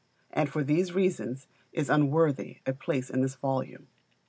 And, for these reasons, is unworthy a place in this volume.